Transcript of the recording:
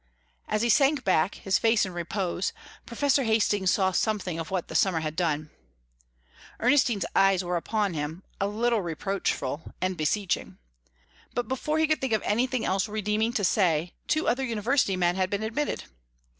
As he sank back, his face in repose, Professor Hastings saw something of what the summer had done. Ernestine's eyes were upon him, a little reproachful, and beseeching. But before he could think of anything redeeming to say two other university men had been admitted.